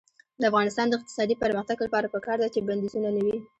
د افغانستان د اقتصادي پرمختګ لپاره پکار ده چې بندیزونه نه وي.